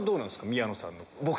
宮野さん。